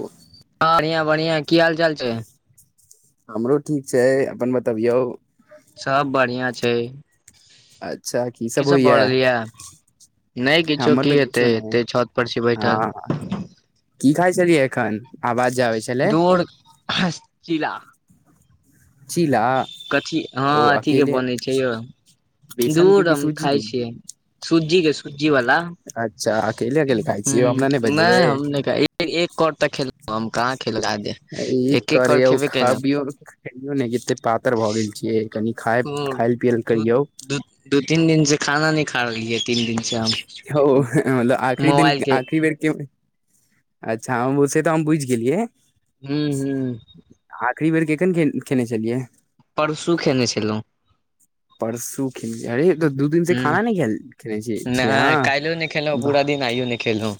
बस हँ बढ़िया बढ़िया की हाल चाल छै हमरो ठीक छै अपन बतबियौ सब बढ़िया छै अच्छा की सब होइय भऽ रहल ये नहि किछो हमर की तऽ हेतै गीछो ने एते छत पर छी बैठल ह की खा छलिय एखन आवाज आबै छलै दोर चिला चीला कथी हँ ओ अथीके अकेले बनै छै यौ दू बेसन के की रंग सूजी खाय के छिये सूजी के जी वला अच्छा अकेले अकेले खाइ ह छियै हमरा बजेबै नहि हम कह एक कर त खेलहुँ हम कहाँ खेलू आदे ई करे खाबियो ने कते पातर भ गेल छियै कनि खाय ओ खायल पियल दू करियौ दू दू तीन दिन से खाना न खा रहली तीन दिन से हम ह मतलब आखरी दिन मोबाइल के आखरी बेर के अच्छा हम ओस तऽ हम बुझि गेलियै हूँ हूँ आखिरी बेर केकन खेलने छलियै परसू खेने छलहुँ परसू खिन अरे त दू दिन से हूँ खाना नइ खेना छी अहाँ यो नइ खेलहु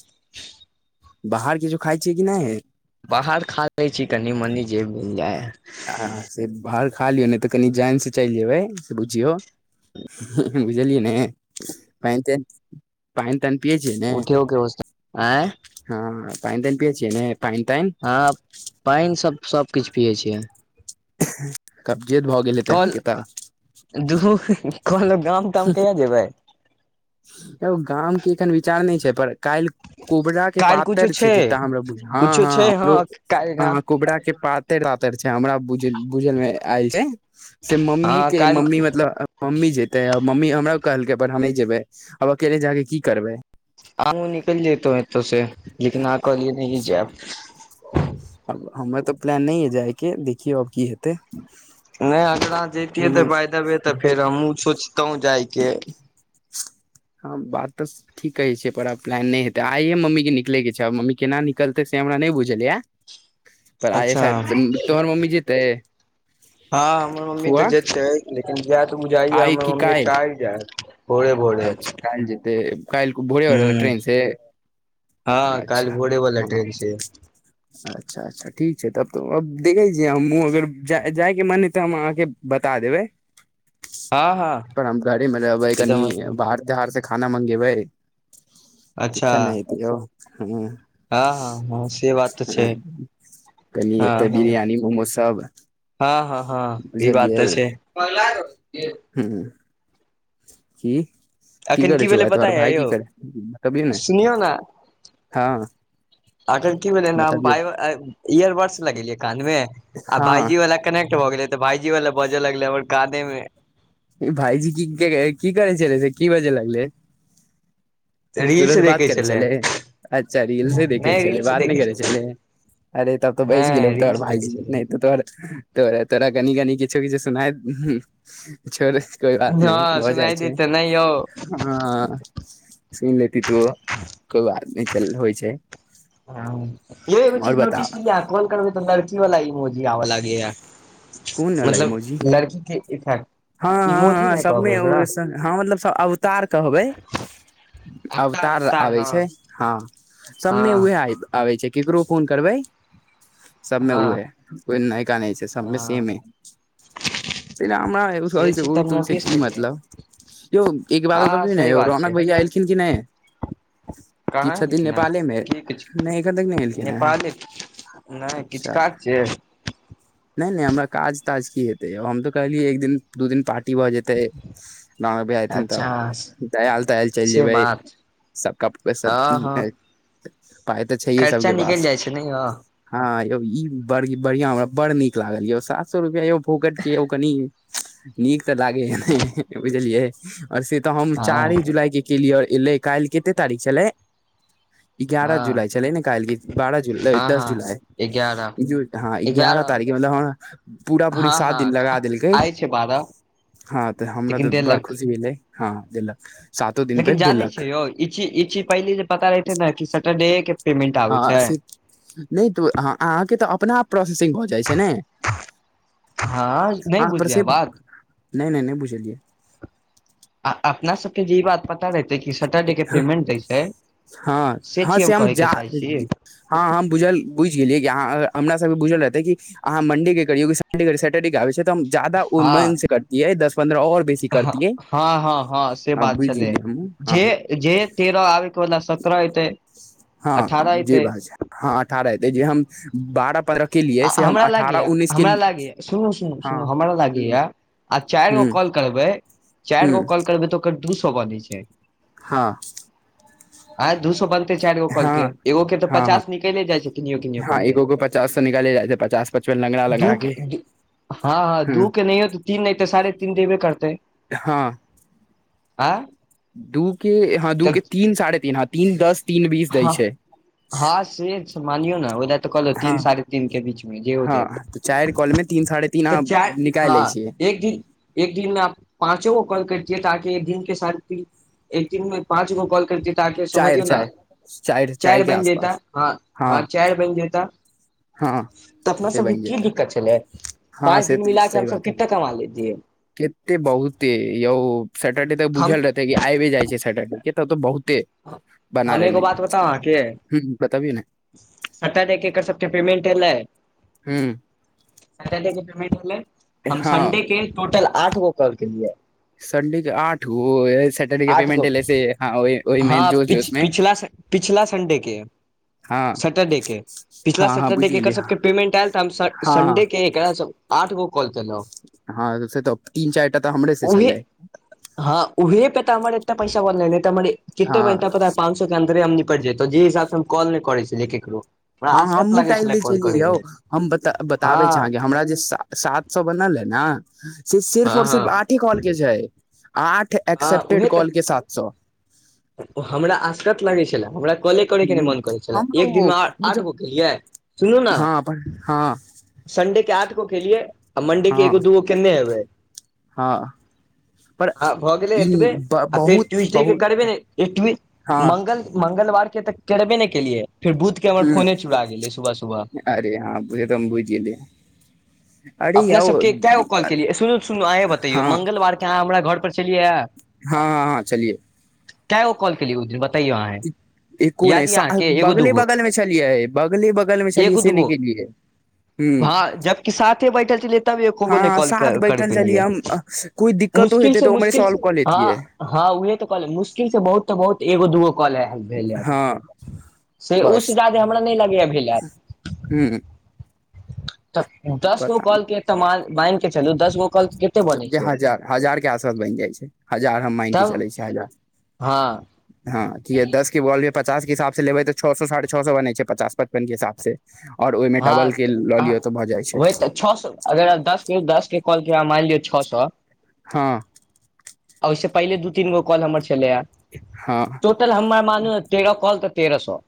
बाहर किछु खाइ छियै कि ना बाहर खा लै छी कनि मनी जे मिल जाय है आ से बाहर खा लियौ नहि तऽ कनि जइनसँ चलि जेबै से बुझियौ बुझलिय ने क पाइन तइन पिए छिए ने उठियो के होस आँय हँ पानि तइन पिय छिय ने पानि तइन अह पइन सब सब किछु पियै छियै कब्जियत भऽ गेल हे ते अहाँके तऽ दु कहलल गाम ताम कहिय जेबै गामके एखन विचार नहि छै पर काल कोबरा के काल्हि कुछो पातर छै जेता हमरा बुझ हँ कुछो हँ छै हमरो काल्हि गाम हँ कोबरा के पात रातर छै हमरा बुझल मे एल छै से मम्मी हँ के मम्मी काल्हि मतलब मम्मी जेतै मम्मी हमरा कहलकै पर हम नइ जेबै आब अकेले जाके की करबै आगू निकल जेत एतो से लेकिन आ कऽ लिय नहिीजेब आब हमरा त प्लान नहि य जाय के देखियौ अब की हेतै नहि अगरा जैतिये तऽ भाय देबे तऽ घर फेर हमहूँ सोचतहुँ जायके हँ बात तऽ ठी कहे छै पररा प्लान नहि हेते आइये मम्मी के निकले के छै मम्मी केना निकलते से हमरा नहि बुझल ये पर आइसा अच्छा तोमर मम्मी जेते हँ हमर मम्मी तऽ जेतै लेकिन जायतऽ बुझाइए आइ हमर की मम्मी काल्हि काल जायत भोरे भोरे अच्छा काइल जतै काइल भोड़े वला हूं ट्रेन से हँ का इल अच्छा घोड़ेवला हँ ट्रेन से [inaudible] अच्छा अच्छा ठीक छै तब तऽ अब देखै छियै हमहुँ अगर जाइके मन हइ तऽ हम अहाँके बता देबै हँ हँ पर आ घर मब कनी एकदम हार त हार से खाना मंगेबै अच्छा कखन ने हेति यौ ह हँ हँ हँ से बात तऽ छै कनि हँ एते हँ बिरियानी मोमोज सब हँ हँ हँ ई बात तऽ छै पगला करै छियै ह की की अखन करै छौ भेलै आय पता तोर भाय य की यौ करै कभी ने सुनियौ ने हँ अखन की भेलै बतबियौ न इयर बड्स लगेलियै कान मे आ हँ भाईजी वाला कनेक्ट भऽ गेलै तऽ भाईजी वाला बजऽ लगले हमर काने मे भाइजी की की कर छल से की बाजे लागल रील्स ककरोसँ बात देखै करै छलै अच्छा रीलस देखै नहि छलै रील्स बात नहि देखै करै छलै छले अरे तब तऽ बै गेलै नहि तोहर रील्स देखै भायजी छलै त तोहर तोरा तोरा कनी कनी किछो किछो सुना छोर कोइ बात नहि हँ भ जाइ सुनाइ छै देत तऽ नहि यौ ह सुन ले को आदमी च होइ छै आओर बताब करबे त लड़की तऽ लड़कीवलाइमोगी आव लागे यार कोन एलै मतलब मौजी लड़की के हँ इफैेक्ट हँ इमोजी हँ नहि सबमे कहबै ओ एकरा हँ मतलब स अवतार कहबै अवतार आबै छै हँ समने हँ उह आय आबै छै केकरो फोन करबै सबमे हँ उह कोई नायका नहि छै सबमी मे हँ त हमरा से चीज तऽ ओहि हम तही स नोटिस की केलियै मतलब कियो एक बात हँ कभी सही नहि बात रौनक छै भैया एलखिन कि नहि किछ कहाँ है छथिन लेकिन नेपालेमे की किछ नहि एखन तक नहि एलखिन ह नेपाले नहि किछ काज छै नहि नहि हमरा काज ताज की हेतै हम तऽ कालली एक दिन द दिन पाठ छुट्टी भऽ जेतै राम भह हथिन अच्छा तऽ दयल तयल चलि से जेबै बात सब क सब हँ हँ पाइ तऽ छैए खर्चा सबके पास निकलि जाइ छै ने यौ हँ यौ ई बड़ बढ़िआं हमरा बड़ नीक लागल यौ सात सए रुपआ यौ भूोकट के कनि नीक तऽ लागे ह बुझलियै ओर से तऽ हम हँ चारे जुलाई के केलियर इलै काल कते तारिख छलै इगारह हँ जुलाई छलै ने काल्हि कि बारह जुला हँ दस हँ जुलाई एगारह हँ ग्यारह तारीख एगारह मतलब ह पूरा पूरी हँ सात दिन लगा हँ देलकै आइ छै बारह हँ तऽ हमरा लेकिन तऽ बड़ देलक खुशी भेलै हँ देलक सातो दिन पे लेकिन जानै देलक छै यौ ई ची ई चीज पहिली जे पता रहेते न कि सटरडे के पेमेंट आबै हँ छै से त अहाँके तऽ अपना प्रोसेसिंग भ जाइ छै ने हँ नहि ह पर से बुझलियै बात नइ नइ नइ बुझलियै अ अपना सबके जी बात अरे देखि सेटर्डे के पेमेंट दै छै हँ से हँ चीज हम कहै जा के चाहै छि हँ हम बुझल बुझि गेलियै कि अहाँ हमरा सबके बुझल रहतै कि अहाँ मंडे के करियौ से सैटरडे के आबै छै तऽ हम ज जादा ओ हँ मन से करतियै दस पन्द्रह और बेसी करतीऐै हँ हँ से हँ बात बुइझ छलै गेलियै हमु जे जे तेरह आके बला सत्रह एयतै हँ अठारह जे एयतै बात छै हँ अठारह एतै जे हम बारह पन्द्र हमरा लागैआ हमरा लागैए सुनू सुन सुन हँ हमरा ह लागैया आ चाइर गो ह कॉल करबै चारि गो हँ कॉल करबै तऽ ओकर दू सो बनै छै हँ आय दू सो बनते चारि गो कल के हँ एगो के तऽ हँ हँ पचास निकले जाय छै किनो किनो हँ कऽ के एगो गो पचास स निकाले जासे पचास पचपन लंगड़ा दू लंगड़ा के हँ हँ ह दू के नहि हो तऽ तीन नइ तऽ साढ़े तीन देबे करतै हँ आँ दू के हँ दू के तीन साढ़े तीन हँ तीन दस तीन बीस दै हँ छै हँ से मानियौ ने ओले तऽ कहलो हँ तीन साढ़े तीन के बीचं जे हँ तऽ चाइर कॉल मे तीन साढ़े तीन अह चारि निकालि लै हँ छियै एक दिन एक दिनमे आ पाँचो क कल करतियै ताकि एक दिन के साथी एक दीन मे पाँच गो कॉल करतियै तऽ आकेे चारि समझियौ ने चारि चारि चारि चर के बनि जेता आसपास हँ हँ चार बइन जेता हँ तऽ अपना से सबके बनि की जेतै दिक्कत छलै हँ पाँच से दिन मिलाक हमस कतेक कमा लैतिये केतेक बहुत यौ सेटर डे तऽ हम बुझल रहत आइबे जाइ छैै सटर्डे के तऽ तऽ बहुते ह बना हम एगो लेने बात बताउ अहाँके ह बतबियौ ने सटा नैय के एक सबके पेमेंट एयलै हूँ सटर्डे के पेमेंट होलै हम हँ संडे के टोटल आठ गो के लिय संडेके आठ गो सैटरडे के आठ गो पेमेंट एले से हँ ओहिमे हँ जोश पिछल जोश मे पिछला पिछला संडे के हँ सटरडे के पिछला हँ हँ सटरडे के एकर बुझियलियै सबके पेमेंट आयल तऽ हम हँ सनडे के एक सब आठ गो कॉल केलउ हँ से तऽ तीन चारि टा तऽ हमरे से उहे छलै हँ उहे पे त हमर एतना पैसा बै त जितते हँ ब पता पाँच सए अंदरे हम निपटौ जे हिसाब से हम कॉल नहि करै छियै ककरो हँ हमूँ टालि दै छलियै यौ हम हम बताबै छी हँ अहाँके हमरा जे सात सो बनल है ने सेर् सिर्फ हँ और हँ सिर्फ आठे कॉल के छै आठ हँ एकसेप्टेड उहे कॉल के तऽ सात सो हमरा आसकत लगै छले हमरा कॉले करे के नहि ह मन करै छलै एक हमरो दिन मे आठ जब गो केलियै सुनू हँ पर न हँ संडे के आठ गो केेलिय आ मंडे के हँ एगो दूगो केन्ने हवय हँ पर ह भऽ गेलै ई एतबे आ फेर बहुत ट्यूजडे के करबे बहुत ने एट्वी हँ मंगल मंगलवार के तऽ करबे नहि केलियै फेर बूथ के हमर ह फोने चुड़ा गेलै सुबह सुबह अरे ह पूजा तबुजीले अपना सबके क गो कॉल केलियै सुनू सुनू अहेँ बतैयो हँ मंगलवार के अहाँ हमरा घर पर छललियै हँ हँ चलियौ क्य ओ कॉल के लिय उ दिन बताइओ अहाँ ह एको नहि अ बगले बगलमे छलियै बगले बगलमे छलियै से नहि गेलियै ह भा जब कि साथे टल च ल तभी एको गो ने हँ कॉल साथ कर बैठल पे लियै छलियै हम कोइ दिक्कतो मुश्किल हेतै से तऽ उम्हरे मुश्किल सॉल्व कऽ हँ लेतियै हँंह उहे तऽ कॉलै मुश्किल से बहुत तऽ बहुत एगो दगो कॉल है हँ से बस उस जादे हमरा नहि लगैया भेल हेत हू तऽ दस गो पता नहि कॉल के तऽ मान माइनके चलू दस गो कॉल कते बनै जे छै हजार हजारके आशत बनि जाइ छै हजार हम मानि कऽ तब चलै छि हजार हँ हँं दस के बॉल भ पचास हसाब लेबै तऽ छओ सँ साढ़े छओ सँ बने छै पचास पचपन के हिसाब से और ओइमे हँ डबल के लऽ लियौ तऽ भऽ जाइ छै वह तऽ छओ सँ अगर दस दस के कॉल के मैन लियौ छओ सँ हँ ओहिसे पहिले दू तीन गो कॉल हमर छलैआ हँ टोटल हमरा मानु तेरह कॉल तऽ तेरह सँ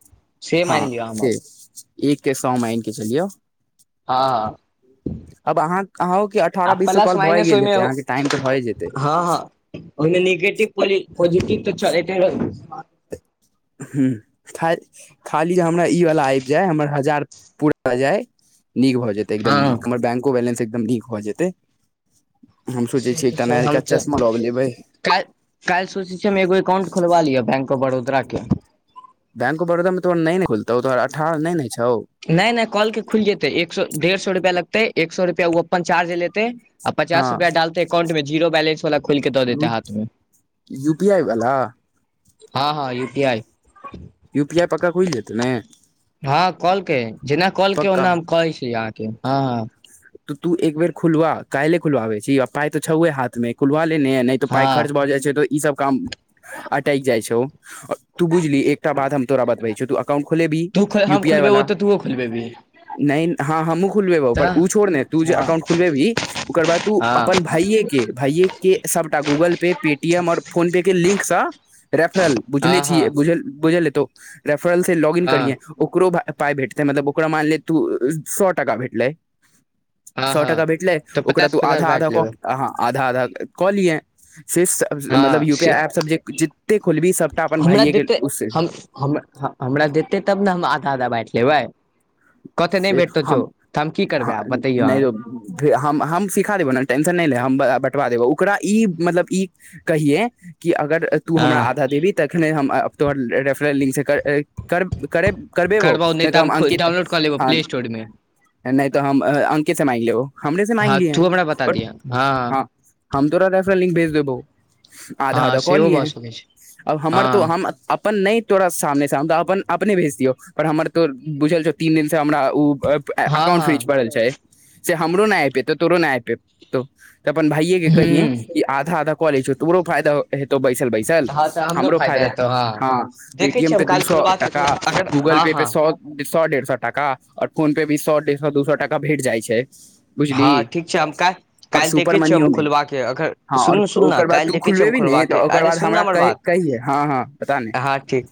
हँ से एक के सो मआनिके चलियौ हँ हँ अब अहाँ अहँं आ अठारह बीस प्लस कल भए माइनस गेल हेै ओहिमे अहाँके टाइम तऽ भए जेतै हँ हँ ओहिमे नेगेटिव पॉ पॉजिटिव तऽ चलै हं खा खाली जे हमरा ईवला आब जाय हमर हजार पूरा जाय नीक भऽ जेतै एकदम नीक हँ हमर बैंको बैलेंस एकदम नीक भऽ जेतै हम सोचै छीयै एकटा नयका चश्मा लेबै काल काल्हि सोचै छीै एगो एककाउंट खोलबा लिय बैंक ऑफ बड़ोदरा के बैंक ऑफ बड़ोदा मे तोहर नहि ने खुलतौ तोहर अठह नहि ने छौ नहि नहि कल के खुल जेते एक सौ डेढ़ सौ रुपआ लगतै एक सौ रुपआ ओ अपन चार्ज लेै ते आ पचास हँ रुपआडालते अकाउंट मे जीरो बैलंस वाल खोल के दऽ देत हाथ मे यूपी आइ वला हँ हँ U P I U P I पक्का खुइल जेतै ने हँ कलके जेना कलके पक्का ओना हम कहै छी अहाँके हँ तऽ तू एक बेर खुलवा काइले खुलवाबे छी आ पाय तो छौे हाथ मे खुलवा लेने नहि तऽ पाइ खर्च हँ भऽ जाइ छै तऽ ई सब काम अटैक जाइ छौ तू बुझलिह एकटा बात हम तोरा बतबे छौ त अउंट खोले भी तू खोल, यू हम पी आई खोलबेबो वाला तऽ तूहो खोलबेबही नहि हँ हमहुँ खुलबेबो तऽ छ तू जेी हँ अकउंट खुलबै भी ओकर बाद तू हँ अपन भाइए के भाइए के सबटा गूगल पे पेटीएम ओर फोन पे के लिंकसँ रेफरल बुझले हँ हँ छैझ बुझल बुझल ह तो रेफरल से लॉग इन हँ करे ओकरो पाय भेटतै मतलब ओकरा मानले तू सए टाका भेटलै हँ सौ हँ टका भेटलै तऽ ओकरा पचास तू पचास आधा आधा बाँटि क लेबै अहाँ आधा आधा कऽ लियै से हँ मतलब यू पी से आई एप सब जे के खुलबी सबटा अपन हमरा भाइये के देतै उसे हम हम हमरा देतै तब ने हम आधा आधा बाँइट लेबै कते न से भेटतौ छौ त हम की करबै आब बतैयौ अहाँ फे हम हम सिखा देबौ ने टेंशन नइ ले हम बटवा देबौ ओकरा ई मतलब ई कहियै कि अगर तू हमरा आधा हँ देबही तखने हम तोहर रेफरेस लिंकसँ कर कर कर करबेबो नहि त हम अंकित क लेब प् स्टोरमे नै तऽ हम अंके से माग ले ओ हमने से मांग हँ लिय है तू हमरा बता पर दिह हँ हम तोरा रेफला लिंक भेज देबौ आधा हँ आधा कऽ सेहो भऽ लिये सकै छै अब हमर हँ तो हम अपन न तोरा सामने साम अपन अपने भेज दियौ पर हमर तो बुझल छो तीन दिन से हमरा उ हँ अकाउंट हँ फ्रीज पड़ल छै से हमरो नहि आ पेते तोरो नहि आ पे तो तऽ अपन भाइयए के कहिए ह्म कि आधा आधा कॉलेज छ तोरो फायदा हेतो बैसल बैसल हँ तऽ हमरो फायदा फाइदा हेतौ हँ देखै पेटीएम छियै प हम दू काल्हि खोलबा के ह अगर गूगल हँ पे पे हँ स सौ डेढ़ सौ टाका और फोन पे भी सौ डेढ़ सौ दू सौ टाका भेट जाइ छै बुझली हँ ठीक छै हम काल्हि आओर काल्हि सुपर देखै छियै हम मनियो मे खोलबाक अगर हँ सुनू आओर सुन ने ओकर बाद काल्हि तू देखे छियै हम खुलबेबी ने खोलबाक तऽ ओकर अरे बाद सुन हमरा ना हमर कह बात कहिये हँ हँ पता नहि हँ ठीक।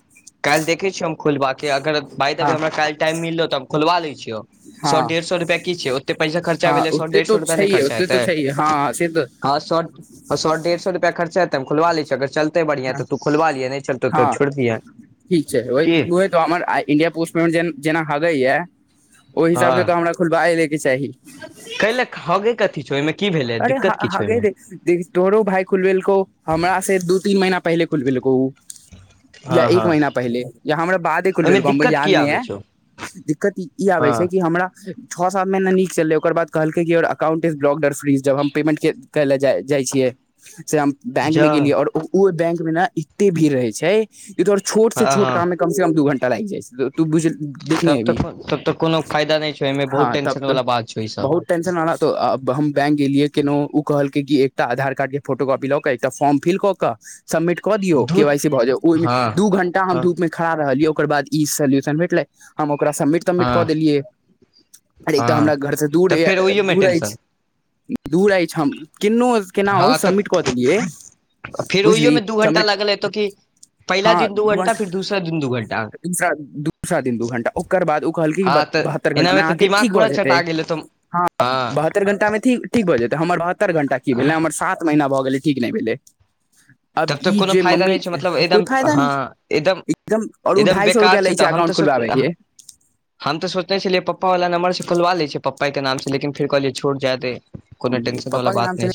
काल्हि देखै छियौ हम खोलबाक अगर बाइ द हँ वे हमरा काल्हि टाइम मिललौ तऽ हम खोलबा लै छियौ। सौ हँ डेढ़ सौ रुपैया की छैय ओतेक पैसा खर्चा हँ भेलै सौ ओते डेढ़ तो सौ रुपैया न छैहे खर्चा ओते तो हेतै। छैहे हँ से तऽ हँ स स डेढ़ सए रुपआ खर्चा हेै हम खोलवा लै छी अगर चल। चलतै बढ़िया तऽ तू खोलबा लिहे नहि चलतौ त हँ छोड़ दिहे ठीक छै ओहि की। उहे तऽ हमर इंडिया पोस्ट पेंट जेना [unintelligible] ओहि हिसाबसँ हँ तऽ हमरा खुलबा लैके चाही। कैले खगे कथी छौ ओहिमे की भेलै अरे हे दिक्कत की छौ हगे ओहिमे दे देख तोहरो भाय खुलबेलकौ हमरास से दू तीन महीना पहिले खुलबेलकौ ओ। या हँ एक हँ महीना पहिले या हमरा बादे ओहिमे खुलबेलकौ हमो दिक्कत याद की नहि आबै या। छौ दिक्कत ई आबै हँ छैय कि हमरा छओ साल महिना नीक चलै ओकर बाद कहलकै कि यौर अकाउंट इज ब्लॉडर फ्रीज। जब हम पेमेन्ट करैले जा जाइ छियै फर हम बैंकमे जा गेलियै आओर ओ बैंक मे न एते भीड़ रहै छैय तो छोट से हँ छोट हँ काम कम से कम दू घंटा लाईग जाइ छैय तू बुझ देखने तब तऽ हेबही तब तऽ कोनो फायदा नहि छौव एहिमे बहुत टेंशन बला बात छौव ई सब। टंशन ना त अब हम बैंक केलियो केनो ओ कहलकै कि एकटा आधार कार्ड के फोटोकॉपी ल क एकटा फॉर्म फिल क क सबमिट क दियौ के धुत वाइ सी भ जा ओहिमे हँ दू घंटा हम हँ धूप मे खड़ा रहलियै ओकर बाद ई सोल्यूशन भेटले हम ओकरा समिट तमिट कऽ हँ देलियै आर एक तऽ हँ हमरा घर से दूर तऽ फेर ओहियोमे दूर टेंशन अछि। दूर अछि हम केनो केना ओ हँ तऽ सबमिट कऽ देलियै। फेर बुझली ओहियोमे दू घंटा समि लागल हेतौ कि पहिला हँ दिन दू घंटा फिर दूसरा दिन दू घंटा दू घंटा [unintelligible] ओकर बाद ओ कहलकै हँ [unintelligible] तऽ बहतर घण्टा मे एनामे तऽ नाहा के दिमाग ठीक हो पूरा जेतै चटा गेल हेतौ हँ बहत्तर घण्टा मे ठीक ठीक भऽ जेतै हमर बहत्तर घण्टा की भेलै हमर सात महीना भऽ गेलै ठीक नहि भेलै। अब तब तऽ ई कोनो जे फायदा मम्मी नहि छै मतलब कोइ एकदम फायदा नहि हँ एकदम और ओ एकदम ढाई सए बेकार रुपआ छै लय तऽ छैय हम अकाउंट तऽ सोच खोलबाबैकेै। हम तऽ सोचने छलियै पप्पा वला नम्बर से खोलवा ल छिय पप्पा के नाम से लेकिन फेर कहलियै छोट जाय दही। कोनो टेंशन पप्पा वला के बात नाम नहि से छैय।